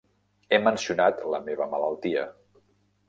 He mencionat la meva malaltia.